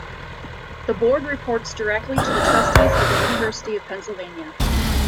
The board reports directly to the trustees of the University of Pennsylvania.